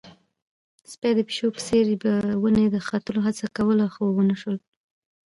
سپي د پيشو په څېر په ونې د ختلو هڅه کوله، خو ونه شول.